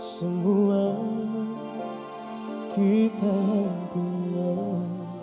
semua kita berdua